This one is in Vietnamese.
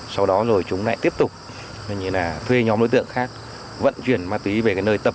sau đó rồi chúng lại tiếp tục thuê nhóm đối tượng khác vận chuyển ma túy